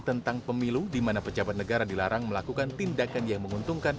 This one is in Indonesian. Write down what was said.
tentang pemilu di mana pejabat negara dilarang melakukan tindakan yang menguntungkan